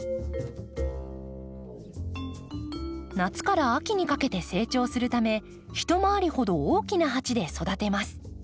夏から秋にかけて成長するため一回りほど大きな鉢で育てます。